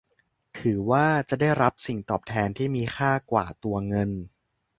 ถือว่าจะได้รับสิ่งตอบแทนที่มีค่ากว่าตัวเงิน